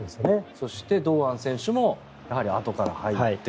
そして堂安選手もやはりあとから入って。